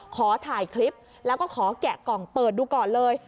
ขอถ่ายคลิปแล้วก็ขอแกะกล่องเปิดดูก่อนเลย